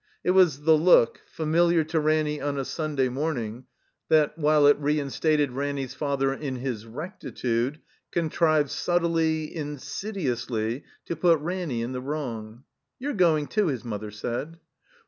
It was the look, familiar to Ranny on a Stmday morning, that, while it reinstated Ranny's father in his rectitude, contrived subtly, insidiously, to put Ranny in the wrong. "You're going, too," his mother said.